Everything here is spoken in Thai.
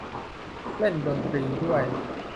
เล่นดนตรีด้วย